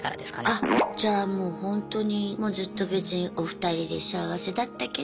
あじゃあもうほんとにもうずっと別にお二人で幸せだったけど。